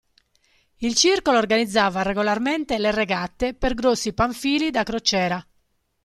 Il circolo organizzava regolarmente le regate per grossi panfili da crociera.